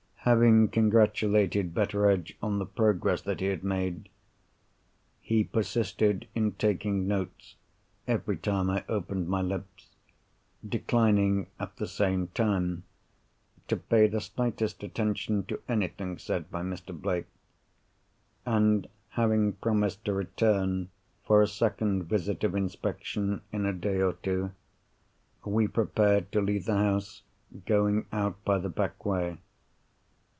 Having congratulated Betteredge on the progress that he had made (he persisted in taking notes every time I opened my lips; declining, at the same time, to pay the slightest attention to anything said by Mr. Blake); and having promised to return for a second visit of inspection in a day or two, we prepared to leave the house, going out by the back way.